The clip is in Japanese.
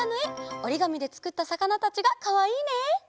おりがみでつくったさかなたちがかわいいね。